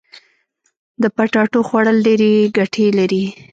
د پټاټو خوړل ډيري ګټي لري.